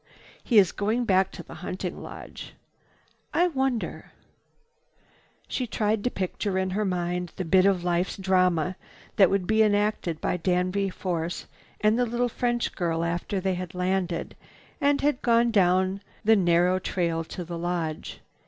"He is going back to the hunting lodge. I wonder—" She tried to picture in her mind the bit of life's drama that would be enacted by Danby Force and the little French girl after they had landed and gone down the narrow trail to the lodge.